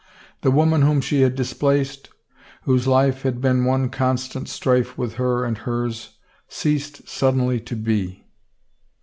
The woman whom she had dis placed, whose life had been one constant strife with her and hers, ceased suddenly to be.